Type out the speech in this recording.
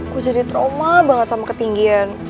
gue jadi trauma banget sama ketinggian